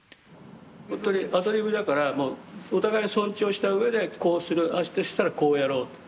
ほんとにアドリブだからお互い尊重した上でこうするああしたらこうやろうと。